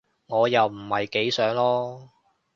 我又唔係幾想囉